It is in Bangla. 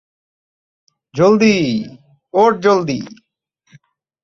জলদি, ওঠ জলদি।